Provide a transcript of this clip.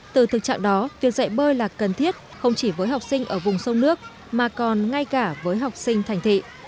từ thực trạng đó việc dạy bơi là cần thiết không chỉ với học sinh ở vùng sông nước mà còn ngay cả với học sinh thành thị